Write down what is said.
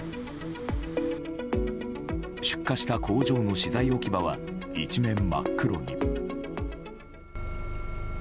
出火した工場の資材置き場は一面真っ黒に。